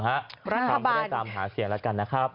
ทำไมไม่ตามหาเสียงนะคะ